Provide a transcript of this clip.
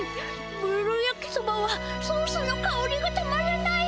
ブルルやきそばはソースのかおりがたまらない」。